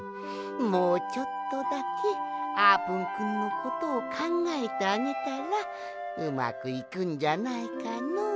もうちょっとだけあーぷんくんのことをかんがえてあげたらうまくいくんじゃないかのう？